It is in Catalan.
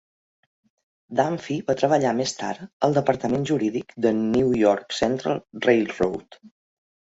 Dunphy va treballar més tard al departament jurídic de New York Central Railroad.